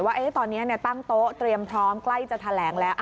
ว่าตอนนี้ตั้งโต๊ะเตรียมพร้อมใกล้จะแถลงแล้ว